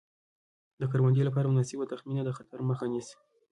د کروندې لپاره مناسبه تخمینه د خطر مخه نیسي.